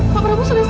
pak prabu sudah sadar